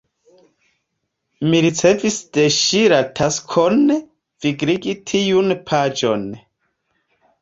Mi ricevis de ŝi la taskon vigligi tiun paĝon.